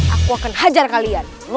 aku akan hajar kalian